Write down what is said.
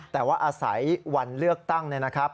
แต่ว่าอาศัยวันเลือกตั้งเนี่ยนะครับ